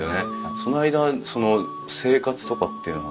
その間その生活とかっていうのは？